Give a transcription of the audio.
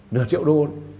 nửa triệu đô